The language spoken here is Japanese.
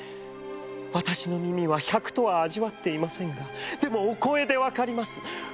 私の耳は百とは味わっていませんがでもお声でわかります。